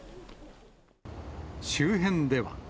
周辺では。